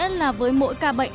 có nghĩa là với mỗi ca bệnh